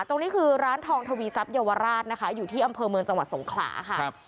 ตรงนี้คือร้านทองทวีทรัพย์เยาวราชนะคะอยู่ที่อำเภอเมืองจังหวัดสงขลาค่ะ